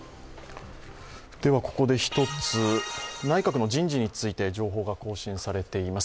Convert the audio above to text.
ここで１つ内閣の人事について情報が更新されています。